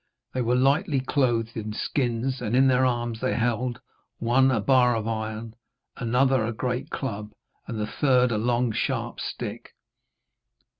They were lightly clothed in skins, and in their arms they held, one a bar of iron, another a great club, and the third a long sharp stick.